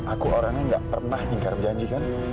aku orang yang gak pernah lingkar janji kan